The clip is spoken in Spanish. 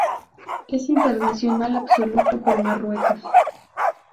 Es internacional absoluto por Marruecos.